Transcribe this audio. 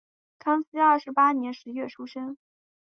康熙二十八年十一月出生。